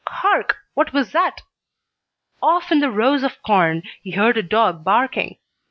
Hark! What was that? Off in the rows of corn he heard a dog barking.